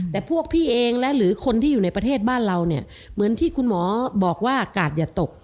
แต่พวกพี่เองและหรือคนที่อยู่ในประเทศบ้านเราเนี่ยเหมือนที่คุณหมอบอกว่ากาดอย่าตก